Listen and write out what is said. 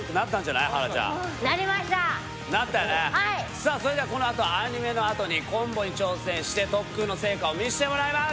さぁそれではこのあとはアニメのあとにコンボに挑戦して特訓の成果を見せてもらいます。